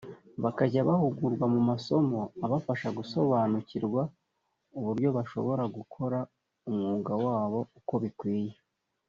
bakazajya bahugurwa mu masomo abafasha gusobanukirwa uburyo bashobora gukora umwuga wabo uko bikwiye